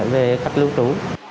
về khách lưu trú